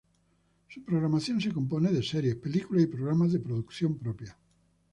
Su programación se compone de series, películas y programas de producción propia.